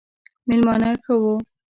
مېلمانه ښه وو